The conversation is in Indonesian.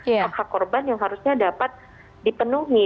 hak hak korban yang harusnya dapat dipenuhi